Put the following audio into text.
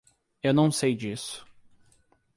Eu não sei disso.